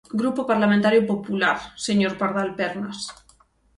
Grupo Parlamentario Popular, señor Pardal Pernas.